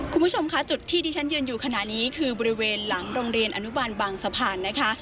คุณผู้ชมค่ะจุดที่ที่ฉันยืนอยู่ขณะนี้คือบริเวณหลังโรงเรียนอนุบาลบางสะพานนะคะ